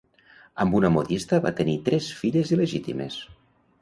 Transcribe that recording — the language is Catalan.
Amb una modista va tenir tres filles il·legítimes.